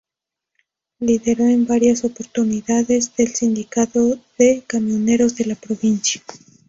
Lideró en varios oportunidades el Sindicato de Camioneros de la provincia.